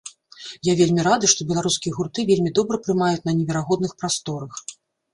Я вельмі рады, што беларускія гурты вельмі добра прымаюць на неверагодных прасторах!